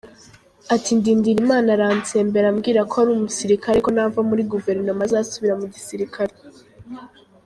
Ati Ndindirimana arantsembera ambwira ko ari umusirikare ko nava muri gouvernement azasubira mu gisirikare.